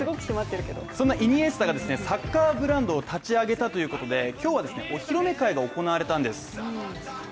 そんなイニエスタがサッカーブランドを立ち上げたということで今日はお披露目会が行われたんです。